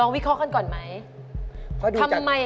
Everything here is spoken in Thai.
วิเคราะห์กันก่อนไหม